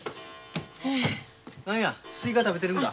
何やすいか食べてるんか。